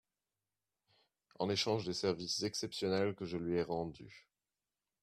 En échange des services exceptionnels que je lui ai rendus.